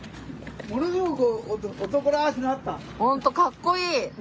本当かっこいい。